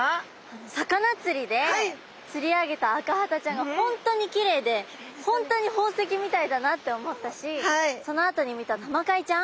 魚釣りで釣り上げたアカハタちゃんが本当にきれいで本当に宝石みたいだなって思ったしそのあとに見たタマカイちゃん。